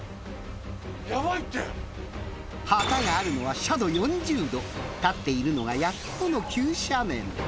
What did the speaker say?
旗があるのは斜度４０度立っているのがやっとの急斜面。